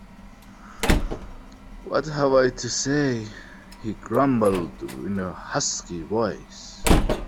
"What have I to say?" he grumbled in a husky voice.